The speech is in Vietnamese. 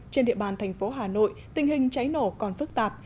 trên địa bàn thành phố hà nội tình hình cháy nổ còn phức tạp